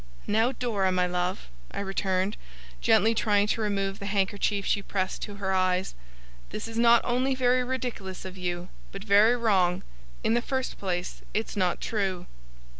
'Now, Dora, my love,' I returned, gently trying to remove the handkerchief she pressed to her eyes, 'this is not only very ridiculous of you, but very wrong. In the first place, it's not true.